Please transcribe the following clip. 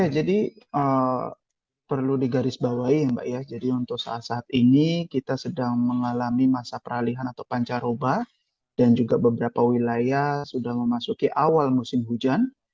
jadi perlu digarisbawahi jadi untuk saat saat ini kita sedang mengalami masa peralihan atau pancar oba dan juga beberapa wilayah sudah memasuki awal musim hujan